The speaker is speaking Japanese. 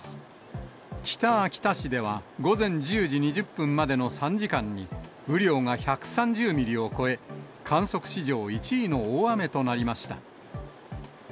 北秋田市では、午前１０時２０分までの３時間に、雨量が１３０ミリを超え、観測史上１位の大雨となりました。